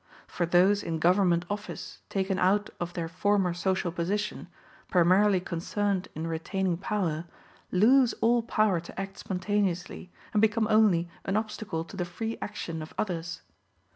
For those in government office, taken out of their former social position, primarily concerned in retaining power, lose all power to act spontaneously, and become only an obstacle to the free action of others.